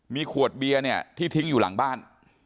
มีขวดเบียร์เนี่ยที่ทิ้งอยู่หลังบ้าน